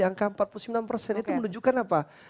rangka empat puluh sembilan itu menunjukkan apa